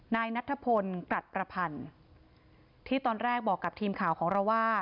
นายนัทพลกรัฐประพันธ์ที่ตอนแรกบอกกับทีมข่าวของเราว่า